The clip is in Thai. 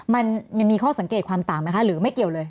มันมีข้อสังเกตความต่างไหมคะหรือไม่เกี่ยวเลย